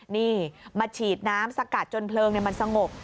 นี่มาฉีดน้ำสกัดจนเพลิงมันสงบ